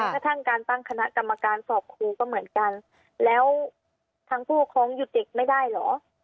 กระทั่งการตั้งคณะกรรมการสอบครูก็เหมือนกันแล้วทางผู้ปกครองหยุดเด็กไม่ได้เหรอ